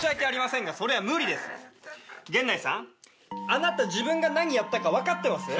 あなた自分が何やったか分かってます？